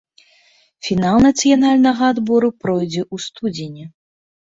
Фінал нацыянальнага адбору пройдзе ў студзені.